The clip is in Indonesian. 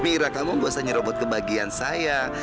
amira kamu bisa nyerepot ke bagian saya